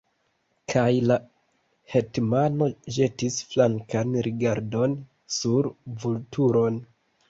Kaj la hetmano ĵetis flankan rigardon sur Vulturon.